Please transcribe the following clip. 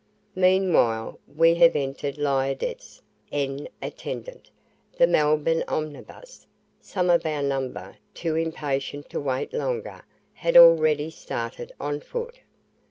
Meanwhile we have entered Liardet's EN ATTENDANT the Melbourne omnibus, some of our number, too impatient to wait longer, had already started on foot.